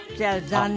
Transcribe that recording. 残念。